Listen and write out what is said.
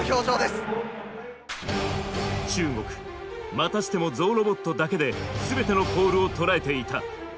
またしてもゾウロボットだけで全てのポールをとらえていた。